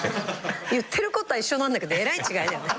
言ってることは一緒なんだけどえらい違いだよね。